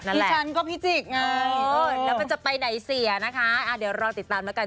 ที่ฉันก็พิจิกไงแล้วมันจะไปไหนเสียนะคะเดี๋ยวรอติดตามแล้วกัน